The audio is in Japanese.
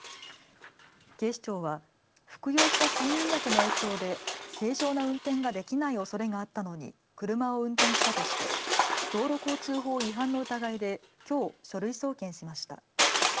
警視庁は服用した睡眠薬の影響で正常な運転ができないおそれがあったのに車を運転したとして道路交通法違反の疑いできょう書類送検しました。